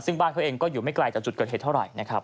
ซึ่งบ้านเขาเองก็อยู่ไม่ไกลจากจุดเกิดเหตุเท่าไหร่นะครับ